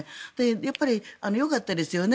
やっぱり、よかったですよね。